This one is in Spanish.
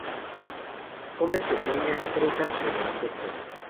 Comen pequeñas presas como insectos.